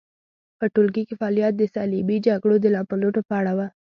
په ټولګي کې فعالیت د صلیبي جګړو د لاملونو په اړه و.